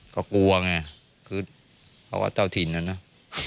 ก็กลัวไงเขาว่าเจ้าถิ่นแล้วเนาะ